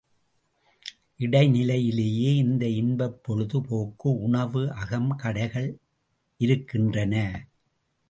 இடை நிலையிலேயே இந்த இன்பப் பொழுது போக்கு உணவு அகம் கடைகள் இருக்கின்றன.